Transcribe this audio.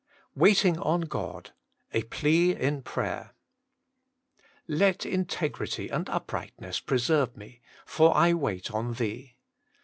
WAITING ON GOD: B plea in pra^^er* ' Let integrity and uprightness preserye me ; for I wait on Thee.'